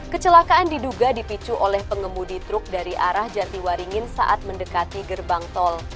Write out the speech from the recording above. kecelakaan diduga dipicu oleh pengemudi truk dari arah jatiwaringin saat mendekati gerbang tol